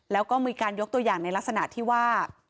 แล้วก็มีการยกตัวอย่างในลักษณะที่ว่า